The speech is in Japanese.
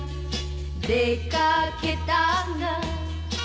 「出掛けたが」